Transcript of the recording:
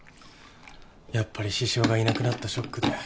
やっぱり獅子雄がいなくなったショックで。